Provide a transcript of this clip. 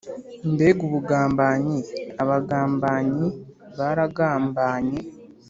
Mbega ubugambanyi! Abagambanyi baragambanye!